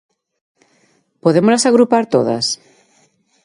¿Podémolas agrupar todas?